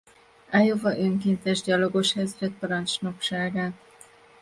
Iowa önkéntes gyalogos ezred parancsnokságát.